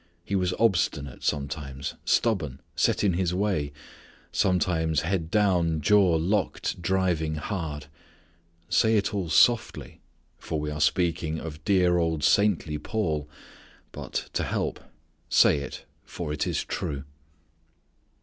He was obstinate, sometimes; stubborn; set in his way: sometimes head down, jaw locked, driving hard. Say it all softly, for we are speaking of dear old saintly Paul; but, to help, say it, for it is true.